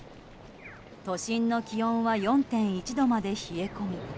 都心の気温は４．１度まで冷え込み